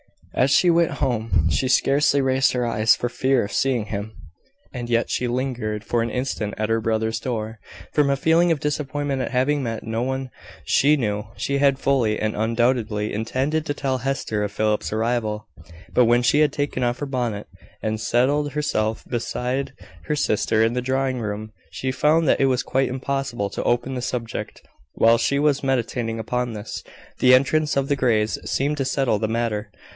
As she went home, she scarcely raised her eyes, for fear of seeing him; and yet she lingered for an instant at her brother's door, from a feeling of disappointment at having met no one she knew. She had fully and undoubtingly intended to tell Hester of Philip's arrival; but when she had taken off her bonnet, and settled herself beside her sister in the drawing room, she found that it was quite impossible to open the subject. While she was meditating upon this, the entrance of the Greys seemed to settle the matter.